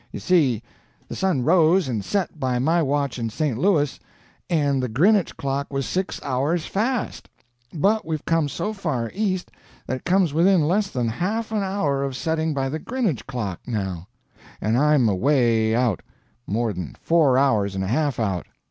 You see, the sun rose and set by my watch in St. Louis, and the Grinnage clock was six hours fast; but we've come so far east that it comes within less than half an hour of setting by the Grinnage clock now, and I'm away out—more than four hours and a half out.